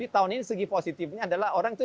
tahun ini segi positifnya adalah orang itu